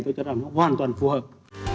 tôi cho rằng nó hoàn toàn phù hợp